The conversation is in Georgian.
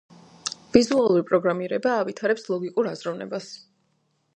ვიზუალური პროგრამირება ავითარებს ლოგიკურ აზროვნებას.